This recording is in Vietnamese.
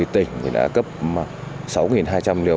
tỉnh đã cấp sáu hai trăm linh liều